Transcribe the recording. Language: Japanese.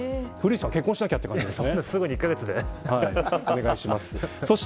古市さん結婚しなきゃって感じですね。